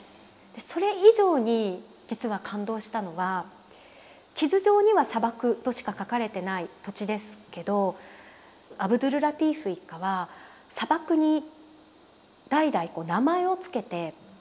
それ以上に実は感動したのが地図上には砂漠としか書かれてない土地ですけどアブドュルラティーフ一家は砂漠に代々名前を付けて識別してきていたことなんです。